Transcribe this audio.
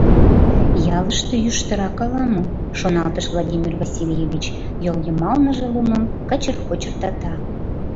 «Ялыште йӱштырак ала-мо», — шоналтыш Владимир Васильевич, йол йымалныже лумым кычыр кочыртата.